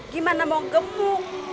gimana mau gemuk